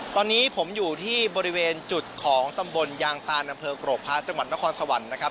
ตอนนี้ผมอยู่ที่บริเวณจุดของตำบลยางตานอำเภอกรกพระจังหวัดนครสวรรค์นะครับ